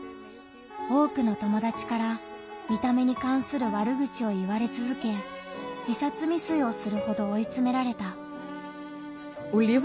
多くの友達から見た目に関する悪口を言われつづけ自殺未遂をするほどおいつめられた。